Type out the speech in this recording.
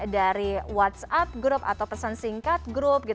dari whatsapp group atau pesan singkat group